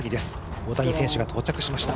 大谷選手が到着しました。